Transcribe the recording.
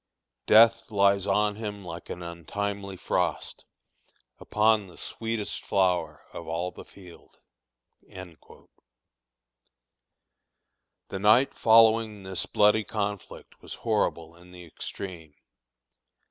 "Death lies on him like an untimely frost Upon the sweetest flower of all the field." The night following this bloody conflict was horrible in the extreme.